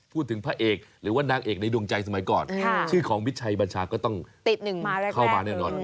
พระเอกหรือว่านางเอกในดวงใจสมัยก่อนชื่อของมิชัยบัญชาก็ต้องติดหนึ่งเข้ามาแน่นอน